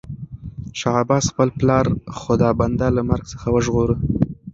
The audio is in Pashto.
شاه عباس خپل پلار خدابنده له مرګ څخه وژغوره.